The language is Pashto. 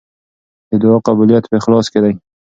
د دعا قبولیت په اخلاص کې دی.